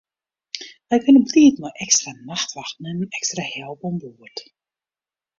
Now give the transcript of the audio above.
Wy binne bliid mei ekstra nachtwachten en ekstra help oan board.